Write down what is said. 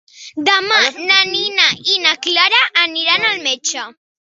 Demà na Nina i na Clara aniran al metge.